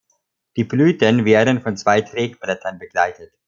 Die Blüten werden von zwei Tragblättern begleitet.